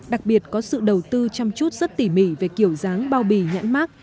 đặc biệt có sự đầu tư chăm chút rất tỉ mỉ về kiểu dáng bao bì nhãn mát